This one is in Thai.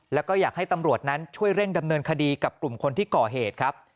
แล้วก็อยากให้ตำรวจนั้นช่วยเร่งดำเนินคดีกับกลุ่มคนที่ก่อเหตุครับ